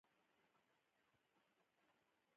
ځکه هر وار چې به په زینو کې ته په مخه راتلې.